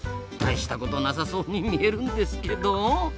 大したことなさそうに見えるんですけど。